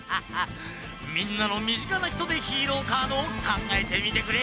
みんなのみぢかなひとでヒーローカードをかんがえてみてくれ。